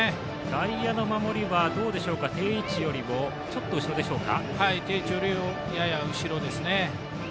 外野の守りは定位置よりもちょっと後ろでしょうか。